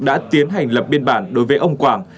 đã tiến hành lập biên bản đối với ông quảng